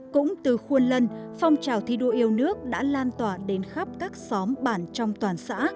cũng từ khuôn lân phong trào thi đua yêu nước đã lan tỏa đến khắp các xóm bản trong toàn xã